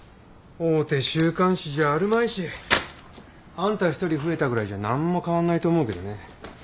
大手週刊誌じゃあるまいしあんた一人増えたぐらいじゃ何も変わんないと思うけどね。